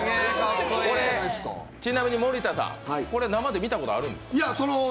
ちなみに森田さんこれ生で見たことあるんですか？